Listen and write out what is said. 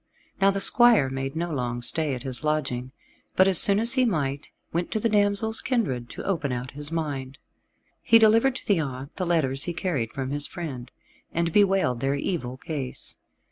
Now the squire made no long stay at his lodging, but as soon as he might, went to the damsel's kindred to open out his mind. He delivered to the aunt the letters he carried from his friend, and bewailed their evil case.